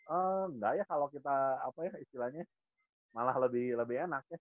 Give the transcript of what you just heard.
enggak ya kalau kita apa ya istilahnya malah lebih enak ya